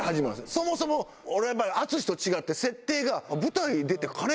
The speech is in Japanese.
そもそも俺淳と違って設定が。